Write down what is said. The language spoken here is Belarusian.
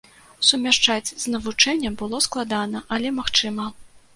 Сумяшчаць з навучаннем было складана, але магчыма.